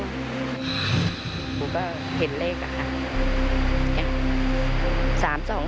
ผมก็เห็นเลขค่ะ